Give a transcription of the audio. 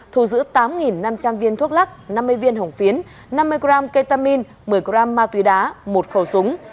thu giữ tám năm trăm linh viên thuốc lắc năm mươi viên hồng phiến năm mươi gram ketamin một mươi gram ma túy đá một khẩu súng